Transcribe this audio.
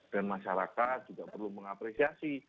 dan masyarakat juga perlu mengapresiasi